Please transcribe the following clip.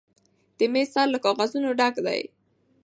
د میز سر له کاغذونو ډک دی.